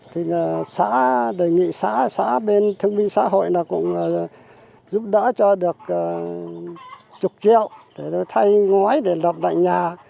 thì xã đề nghị xã xã bên thương minh xã hội nó cũng giúp đỡ cho được chục triệu để thay ngói để lập lại nhà